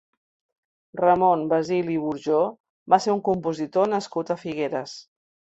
Ramon Basil i Burjó va ser un compositor nascut a Figueres.